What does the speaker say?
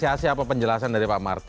paripurna dan sudah dibamus